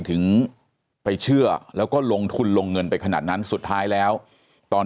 ถึงไปเชื่อแล้วก็ลงทุนลงเงินไปขนาดนั้นสุดท้ายแล้วตอน